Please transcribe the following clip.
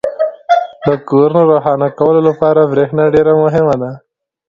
• د کورونو روښانه کولو لپاره برېښنا ډېره مهمه ده.